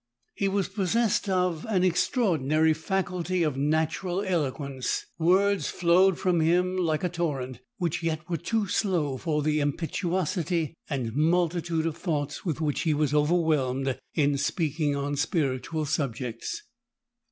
"He was possessed of an extraordinary i68 faculty of natural eloquence. Words flowed from him like a torrent, which yet were too slow for the impetuosity and multitude of thoughts with which he was overwhelmfed in speaking on spiritual subjects.